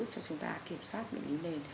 chúng ta kiểm soát bệnh lấy nền